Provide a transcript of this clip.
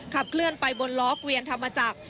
เคลื่อนไปบนล้อเกวียนธรรมจักร